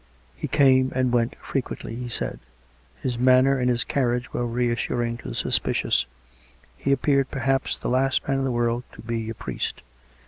He came and went frequently, he said; his man ner and his carriage were reassuring to the suspicious; he appeared, perhaps, the last man in the world to be a priesrt.